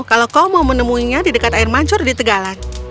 kalau kau mau menemuinya di dekat air mancur di tegalan